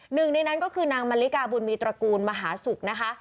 หนึ่งในนั้นก็คือนางมะลิกาบุญมีตระกูลมหาศุกร์นะคะ